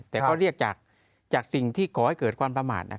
แต่ก็เรียกจากสิ่งที่ก่อให้เกิดความประมาท